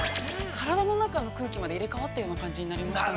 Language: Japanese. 体の中の空気まで入れかわったような感じがしましたね。